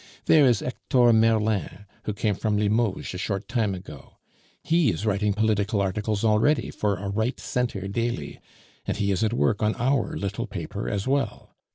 There is Hector Merlin, who came from Limoges a short time ago; he is writing political articles already for a Right Centre daily, and he is at work on our little paper as well.